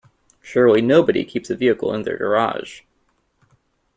Surely nobody keeps a vehicle in their garage?